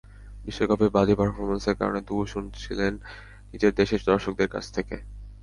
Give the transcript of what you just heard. বিশ্বকাপে বাজে পারফরম্যান্সের কারণে দুয়ো শুনেছিলেন নিজের দেশের দর্শকদের কাছ থেকে।